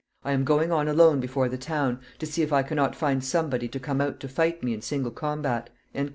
"I am going on alone before the town, to see if I can not find some body to come out to fight me in single combat."